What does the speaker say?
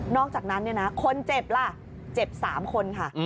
อกจากนั้นคนเจ็บล่ะเจ็บ๓คนค่ะ